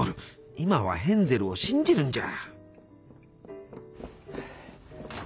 今はヘンゼルを信じるんじゃ。